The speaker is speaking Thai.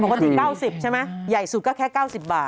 ปกติ๙๐ใช่ไหมใหญ่สุดก็แค่๙๐บาท